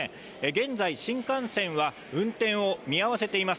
現在、新幹線は運転を見合わせています。